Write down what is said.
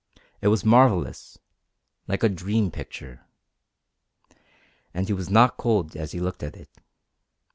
It was marvellous like a dream picture. And he was not cold as he looked at it.